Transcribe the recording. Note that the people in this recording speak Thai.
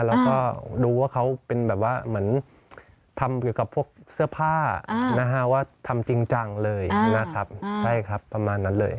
แล้วก็ดูว่าเขาเป็นแบบว่าเหมือนทำเกี่ยวกับพวกเสื้อผ้านะฮะว่าทำจริงจังเลยนะครับใช่ครับประมาณนั้นเลย